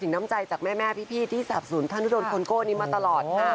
น้ำใจจากแม่พี่ที่สาปศูนย์ท่านุดนคนโก้นี้มาตลอด